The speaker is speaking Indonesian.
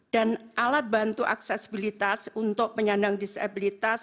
dan alat bantu aksesibilitas untuk penyandang disabilitas